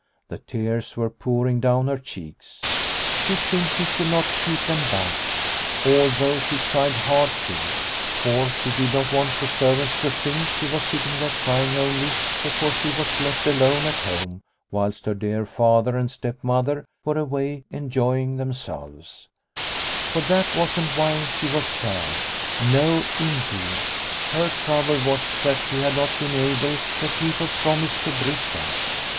The tears were pouring down her cheeks. She simply could not keep them back, although she tried hard to, for she did not want the servants to think she was sitting there crying only because she was left alone at home whilst her dear father and stepmother were away enjoying themselves. The Bride's Dance 109 For that wasn't why she was sad ; no, in deed; her trouble was that she had not been able to keep her promise to Britta.